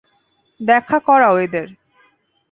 দেখা করাও এদের।